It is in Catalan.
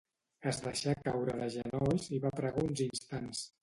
Es deixà caure de genolls i va pregar uns instants.